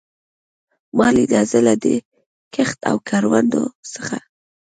ما لیده، زه له دې کښت او کروندو څخه.